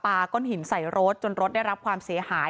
ก้อนหินใส่รถจนรถได้รับความเสียหาย